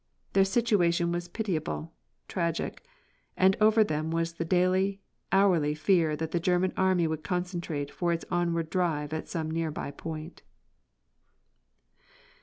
Their situation was pitiable, tragic. And over them was the daily, hourly fear that the German Army would concentrate for its onward drive at some near by point.